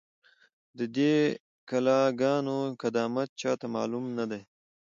، د دې کلا گانو قدامت چا ته هم معلوم نه دی،